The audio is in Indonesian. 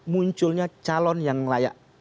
munculnya calon yang layak